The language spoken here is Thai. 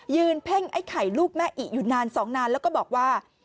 เพ่งไอ้ไข่ลูกแม่อิอยู่นานสองนานแล้วก็บอกว่า